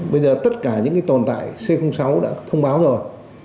bây giờ tất cả những tồn tại c sáu đã thông báo rồi